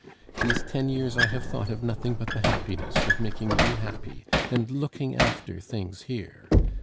These ten years I have thought of nothing but the happiness of making you happy and looking after things here.